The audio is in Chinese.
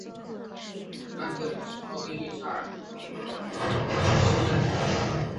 安特灵是奥地利萨尔茨堡州萨尔茨堡城郊县的一个市镇。